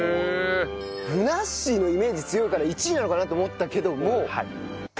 ふなっしーのイメージ強いから１位なのかなと思ったけども。